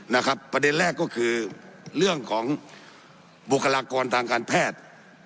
นะครับประเด็นแรกก็คือเรื่องของบุคลากรทางการแพทย์